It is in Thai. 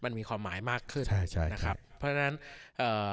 มันมีความหมายมากขึ้นใช่ใช่นะครับเพราะฉะนั้นเอ่อ